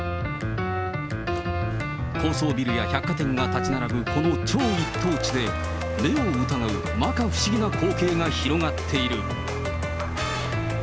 高層ビルや百貨店が建ち並ぶこの超一等地で、目を疑うまか不思議な光景が広がっている。